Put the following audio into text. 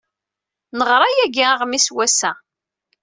Neɣra yagi aɣmis n wass-a.